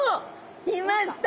いました！